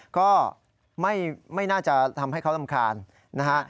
ก็ไม่น่าจะทำให้เขารำคาญนะฮะ